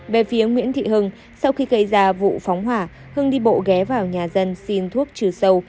về phía nguyễn thị hưng sau khi gây ra vụ phóng hỏa hưng đi bộ ghé vào nhà dân xin thuốc trừ sâu